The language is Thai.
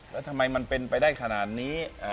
แล้วทำไมมันเป็นไปได้ขนาดนี้